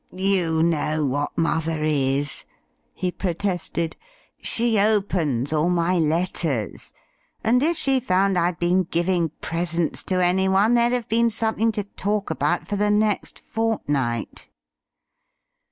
"You know what mother is," he protested; "she opens all my letters, and if she found I'd been giving presents to any one there'd have been something to talk about for the next fortnight."